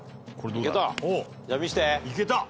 いけた！